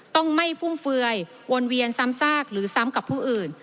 ต้องไม่ฟุ่มเฟือยวนเวียนซ้ำซากหรือซ้ำกับผู้อื่น